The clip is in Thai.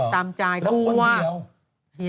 ตามใจกลัวแล้วคนเดียว